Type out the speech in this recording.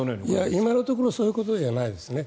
今のところはそういうことじゃないですね。